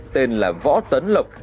tên là võ tấn lộc